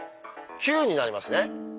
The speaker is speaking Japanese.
９になりますね。